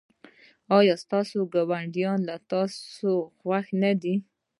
ایا ستاسو ګاونډیان له تاسو خوښ نه دي؟